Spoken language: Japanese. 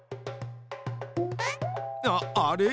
あっあれ？